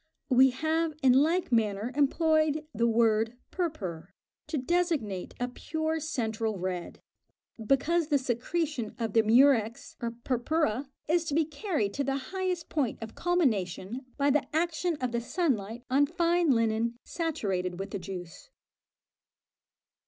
We have in like manner employed the word "purpur" to designate a pure central red, because the secretion of the murex or "purpura" is to be carried to the highest point of culmination by the action of the sun light on fine linen saturated with the juice.